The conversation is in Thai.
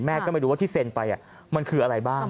ก็ไม่รู้ว่าที่เซ็นไปมันคืออะไรบ้าง